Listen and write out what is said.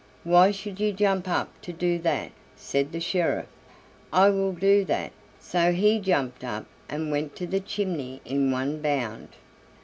"Why should you jump up to do that?" said the sheriff; "I will do that!" So he jumped up, and went to the chimney in one bound.